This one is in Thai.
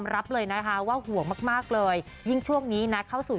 รับเลยนะคะว่าห่วงมากมากเลยยิ่งช่วงนี้นะเข้าสู่